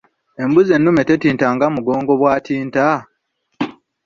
Embuzi ennume tetinta nga mugongo Bw’entinta?